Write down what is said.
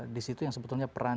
di situ yang sebetulnya peran